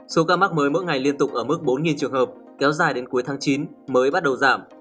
số ca mắc mới mỗi ngày liên tục ở mức bốn trường hợp kéo dài đến cuối tháng chín mới bắt đầu giảm